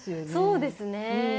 そうですね。